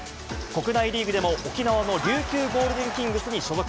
国内リーグでも、沖縄の琉球ゴールデンキングスに所属。